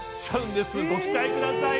ご期待ください